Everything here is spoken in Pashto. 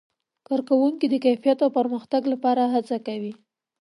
کارکوونکي د کیفیت او پرمختګ لپاره هڅه کوي.